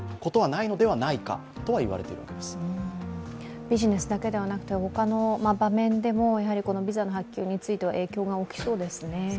ビジネスだけではなくて、他の場面でもこのビザの発給については影響が大きそうですね。